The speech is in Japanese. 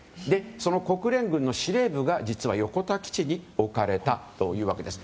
その国連軍の司令部が実は横田基地に置かれたというわけです。